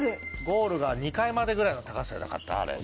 ゴールが２階までぐらいの高さじゃなかったあれ？